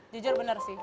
jujur benar sih